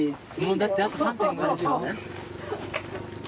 だってあと３．５でしょ。